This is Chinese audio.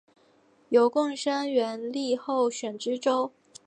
由贡生援例候选知州。